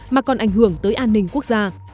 mà còn ảnh hưởng tới an ninh quốc gia